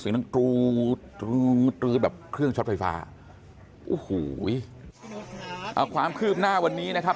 สิ่งที่แบบเครื่องช็อตไฟฟ้าเอาความคืบหน้าวันนี้นะครับ